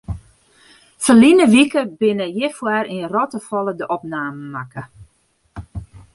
Ferline wike binne hjirfoar yn Rottefalle de opnamen makke.